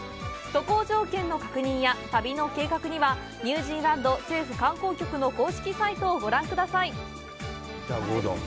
渡航条件の確認や旅の計画にはニュージーランド政府観光局の公式サイトをご覧ください。